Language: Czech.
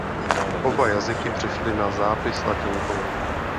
Oba jazyky přešly na zápis latinkou.